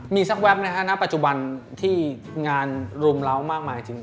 มีสักแวบนะฮะณปัจจุบันที่งานรุมเล้ามากมายจริง